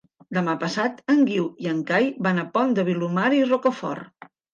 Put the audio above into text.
Demà passat en Guiu i en Cai van al Pont de Vilomara i Rocafort.